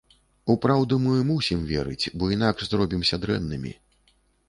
У праўду мы мусім верыць, бо інакш зробімся дрэннымі.